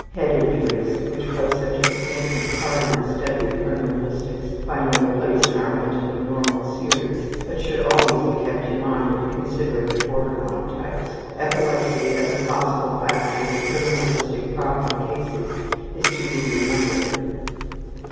Head injuries, which play such a significant part in the study of criminalistics, find no place in our mentally normal series, but should always be kept in mind in considering the border line types. Epilepsy as a possible factor in criminalistic problem cases is to be remembered.